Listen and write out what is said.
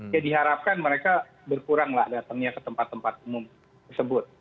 ya diharapkan mereka berkuranglah datangnya ke tempat tempat umum tersebut